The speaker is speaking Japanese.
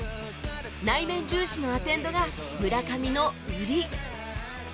内面重視のアテンドが村上の売り